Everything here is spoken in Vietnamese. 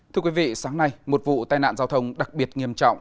thưa quý vị sáng nay một vụ tai nạn giao thông đặc biệt nghiêm trọng